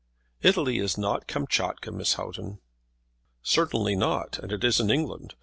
"Italy is not Kamptschatka, Miss Houghton." "Certainly not; and it isn't England.